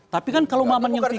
tapi kan kalau maman yang tidak